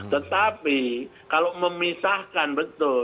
tetapi kalau memisahkan betul